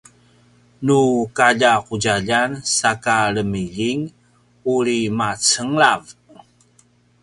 nu kalja’udjaljan saka lemiljing uri macenglav